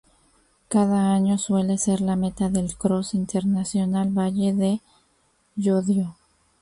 Cada año suele ser la meta del Cross Internacional Valle de Llodio.